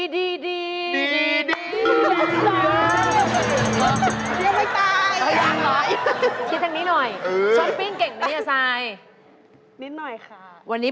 ดีดี